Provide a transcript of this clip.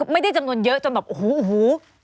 ไม่ได้จำนวนเยอะจนแบบโอ้โห